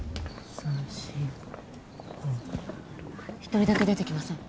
１人だけ出てきません。